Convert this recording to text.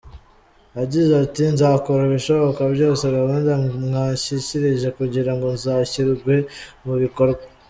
Yagize ati “Nzakora ibishoboka byose gahunda mwanshyikirije kugira ngo zishyirwe mu bikorwa.